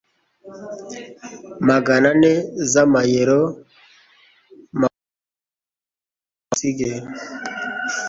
magana ane z'amayero mapoto muzisige